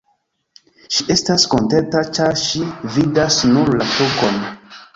Ŝi estas kontenta, ĉar ŝi vidas nur la tukon.